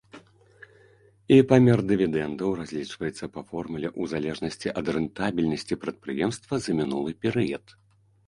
І памер дывідэндаў разлічваецца па формуле ў залежнасці ад рэнтабельнасці прадпрыемства за мінулы перыяд.